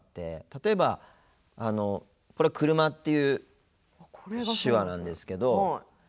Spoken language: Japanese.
例えば、これは「車」っていう手話なんですけど。